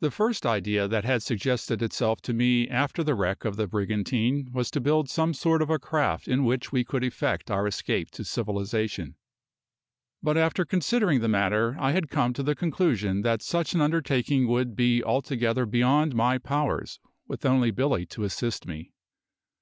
The first idea that had suggested itself to me after the wreck of the brigantine was to build some sort of a craft in which we could effect our escape to civilisation; but after considering the matter I had come to the conclusion that such an undertaking would be altogether beyond my powers, with only Billy to assist me.